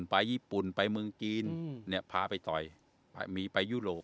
ไปญี่ปุ่นไปเมืองจีนเนี่ยพาไปต่อยมีไปยุโรป